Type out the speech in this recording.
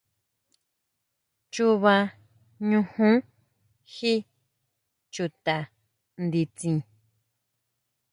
Chuba ñujún jí chuta nditsin.